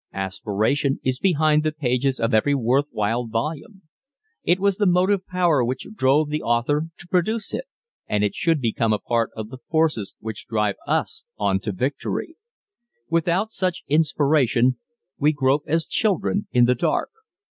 Aspiration is behind the pages of every worth while volume. It was the motive power which drove the author to produce it and it should become a part of the forces which drive us on to victory. Without such inspiration we grope as children in the dark.